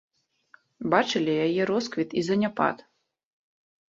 Бачылі яе росквіт і заняпад.